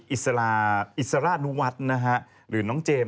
อิสราอิสราณวัฒน์นะฮะหรือน้องเจมส์